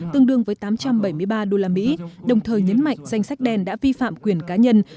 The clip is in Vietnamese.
tương đương với tám trăm bảy mươi ba usd đồng thời nhấn mạnh danh sách đen đã vi phạm quyền cá nhân